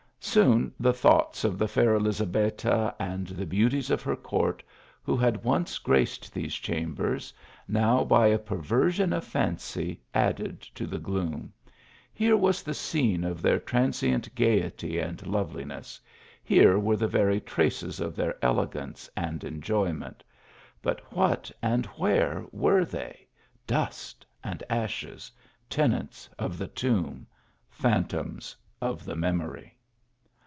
} Soon the thoughts of the fair Elizabetta and the beauties of her court, who had once graced these chambers, now by a perversion of fancy added to the gloom. Here was the scene of their transient gaiety and loveliness ; here were the very traces of their elegance and enjoyment ; but what and where were they ? Dust and ashes ! tenants of the tomb ! phan toms of the memory